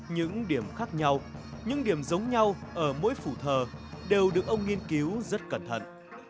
những điểm khác nhau những điểm giống nhau ở mỗi phủ thờ đều được ông nghiên cứu rất cẩn thận